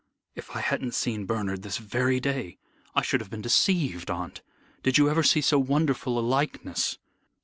"If I hadn't seen Bernard this very day, I should have been deceived, aunt. Did you ever see so wonderful a likeness?"